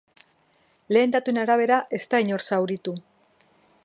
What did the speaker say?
Lehen datuen arabera, ez da inor zauritu.